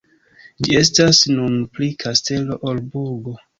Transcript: Ĝi estas nun pli kastelo ol burgo.